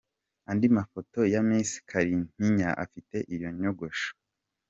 Andi mafoto ya Miss Kalimpinya afite iyo nyogosho .